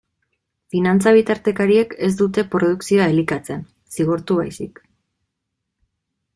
Finantza-bitartekariek ez dute produkzioa elikatzen, zigortu baizik.